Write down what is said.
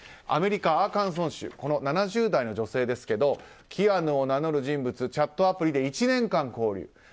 アメリカ・アーカンソー州７０代の女性ですけどキアヌを名乗る人物とチャットアプリで１年間交流。